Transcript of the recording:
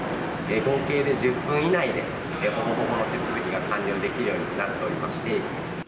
合計で１０分以内で、ほぼほぼの手続きが完了できるようになっておりまして。